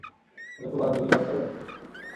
চঞ্চু, পা, আঙুল সব কালো।